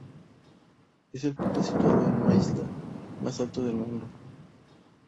Es el pico situado en una isla más alto del mundo.